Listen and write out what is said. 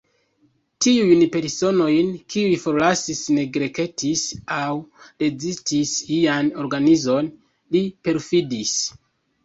Tiujn personojn, kiuj forlasis, neglektis aŭ rezistis lian organizon, li perfidis.